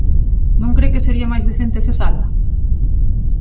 ¿Non cre que sería máis decente cesala?